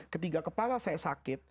ketika kepala saya sakit